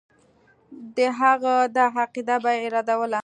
د هغه دا عقیده به یې ردوله.